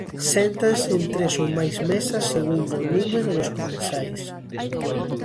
Séntanse en tres ou máis mesas segundo o número dos comensais.